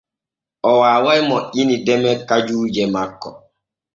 O waaway moƴƴini deme kajuuje makko.